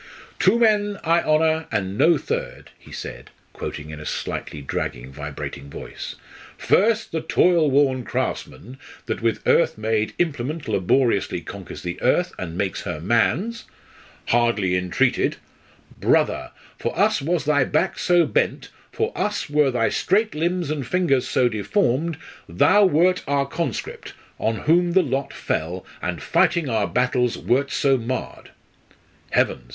"'Two men I honour, and no third,'" he said, quoting in a slightly dragging, vibrating voice: "'_First, the toil worn craftsman that with earth made implement laboriously conquers the earth and makes her man's. Hardly entreated Brother! For us was thy back so bent, for us were thy straight limbs and fingers so deformed; thou wert our conscript, on whom the lot fell, and fighting our battles wert so marred_.' Heavens!